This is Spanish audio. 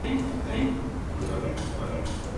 La manivela podía girar hacia delante o hacia atrás.